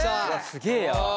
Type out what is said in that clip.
すげえや。